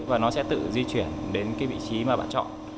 và nó sẽ tự di chuyển đến cái vị trí mà bạn chọn